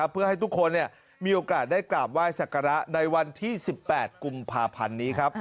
เพื่อให้ทุกคนมีโอกาสได้กราบไหว้สักการะในวันที่๑๘กุมภาพันธ์นี้ครับ